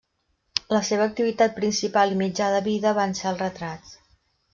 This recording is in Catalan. La seva activitat principal i mitjà de vida van ser els retrats.